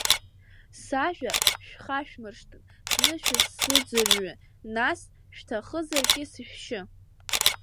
Сажәа шәхашәмыршҭын, зны шәысзыӡырҩы, нас шәҭахызаргьы сышәшьы.